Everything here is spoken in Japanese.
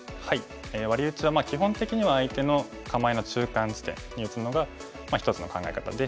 ワリウチは基本的には相手の構えの中間地点に打つのが一つの考え方で。